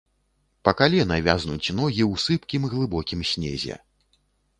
Па калена вязнуць ногі ў сыпкім, глыбокім снезе.